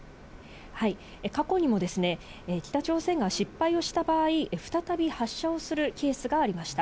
はい、過去にもですね、北朝鮮が失敗をした場合、再び発射をするケースがありました。